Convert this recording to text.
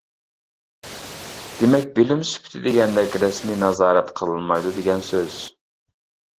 دېمەك، بىلىم سۈپىتى دېگەندەك رەسمىي نازارەت قىلىنمايدۇ دېگەن سوز.